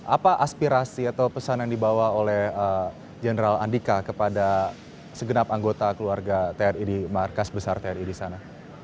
apa aspirasi atau pesan yang dibawa oleh general andika kepada segenap anggota keluarga tni di markas besar tni di sana